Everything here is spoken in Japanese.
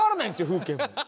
風景も。